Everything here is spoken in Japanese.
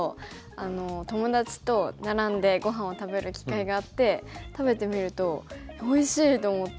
友達と並んでごはんを食べる機会があって食べてみると「おいしい！」と思って。